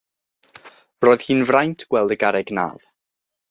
Roedd hi'n fraint gweld y garreg nadd.